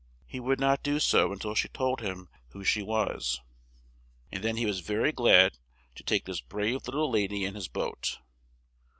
He would not do so un til she told him who she was, and then he was ver y glad to take this brave lit tle la dy in his boat.